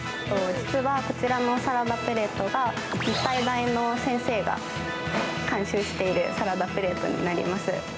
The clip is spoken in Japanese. こちらのサラダプレートが日体大の先生が監修しているサラダプレートになります。